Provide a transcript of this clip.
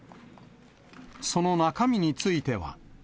その中身については。